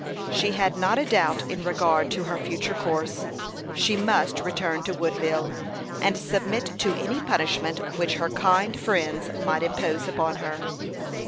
She had not a doubt in regard to her future course: she must return to Woodville, and submit to any punishment which her kind friends might impose upon her.